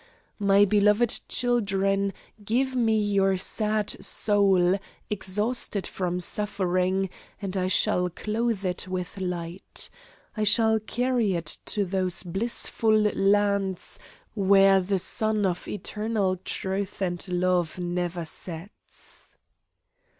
My beloved children, give me your sad soul, exhausted from suffering, and I shall clothe it with light. I shall carry it to those blissful lands where the sun of eternal truth and love never sets."